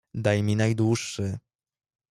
"Daj mi najdłuższy."